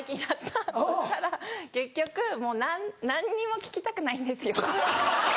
そしたら結局もう何にも聞きたくないんですよ。